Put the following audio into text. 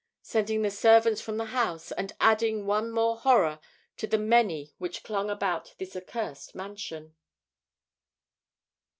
sending the servants from the house, and adding one more horror to the many which clung about this accursed mansion.